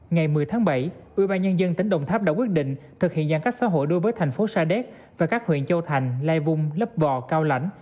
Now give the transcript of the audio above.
ngày một mươi tháng bảy ubnd tỉnh đồng tháp đã quyết định thực hiện giãn cách xã hội đối với thành phố sa đéc và các huyện châu thành lai vung lấp bò cao lãnh